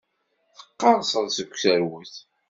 Teqqerṣeḍ seg userwet.